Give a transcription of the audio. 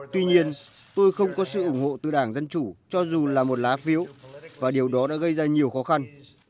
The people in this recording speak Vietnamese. tuy nhiên tôi không có sự ủng hộ từ đảng dân chủ cho dù là một lá phiếu và điều đó đã gây ra nhiều khó khăn